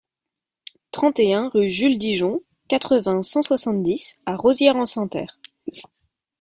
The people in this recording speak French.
trente et un rue Jules Digeon, quatre-vingts, cent soixante-dix à Rosières-en-Santerre